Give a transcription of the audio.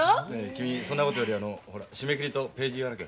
君そんなことよりあのほら締め切りとページ言わなきゃ。